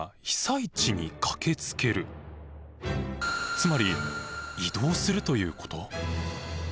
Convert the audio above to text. つまり移動するということ？